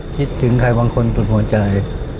คิดถึงใครบางคนสุดหัวใจ